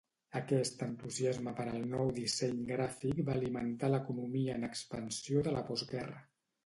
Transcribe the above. Aquest entusiasme per al nou disseny gràfic va alimentar l'economia en expansió de la postguerra.